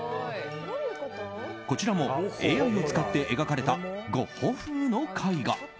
こちらもＡＩを使って描かれたゴッホ風の絵画。